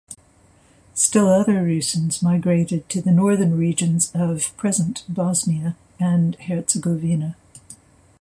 Still other Rusyns migrated to the northern regions of present Bosnia and Herzegovina.